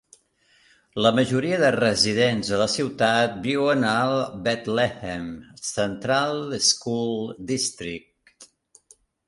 La majoria de residents de la ciutat viuen al Bethlehem Central School District.